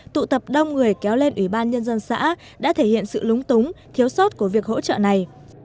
tụ tập đông người kéo lên ủy ban nhân dân xã đã thể hiện sự lúng túng thiếu sót của việc hỗ trợ này